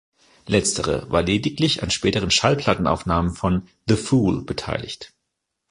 Letztere war lediglich an späteren Schallplattenaufnahmen von "The Fool" beteiligt.